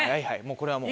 これはもう。